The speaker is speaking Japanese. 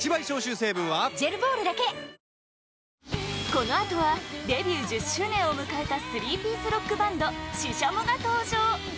このあとはデビュー１０周年を迎えた３ピースロックバンドＳＨＩＳＨＡＭＯが登場！